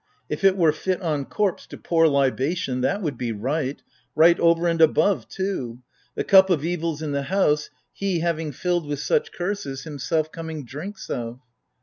If it were fit on corpse to pour libation, That would be right — right over and above, too ! The cup of evils in the house he, having Filled with such curses, himself coming drinks of.